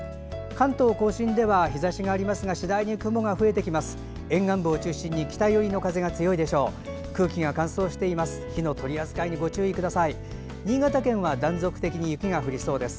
関東・甲信では日ざしがありますが次第に雲が増えてきます。